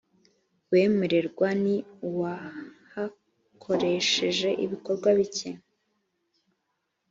uwemererwa ni uwahakoresheje ibikorwa bike.